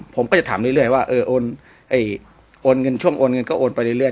ผมก็จะถามเรื่อยว่าโอนเงินช่วงโอนเงินก็โอนไปเรื่อย